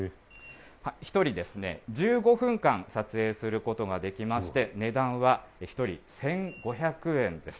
１人ですね、１５分間撮影することができまして、値段は１人１５００円です。